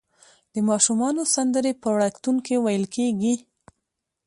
د ماشومانو سندرې په وړکتون کې ویل کیږي.